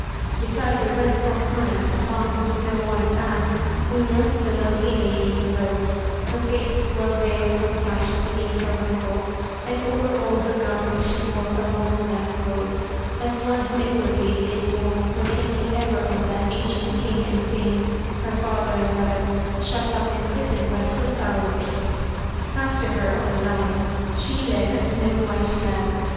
Beside the Red Cross Knight, upon her snow white ass, Una, the lovely Lady, rode, her face well veiled from sight beneath her wimple, and over all her garments she wore a long black robe, as one who inwardly did mourn for thinking ever on that ancient King and Queen, her father and mother, shut up in prison by so foul a beast. After her, on a line, she led a snow white lamb.